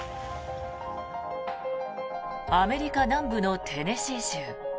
アメリカ南部のテネシー州。